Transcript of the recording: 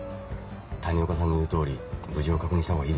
谷岡さんの言う通り無事を確認した方がいいでしょう。